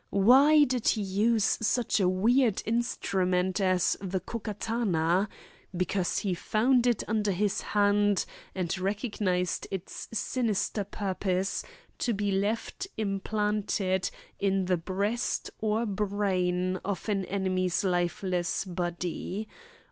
Why did he use such a weird instrument as the Ko Katana? Because he found it under his hand and recognised its sinister purpose, to be left implanted in the breast or brain of an enemy's lifeless body.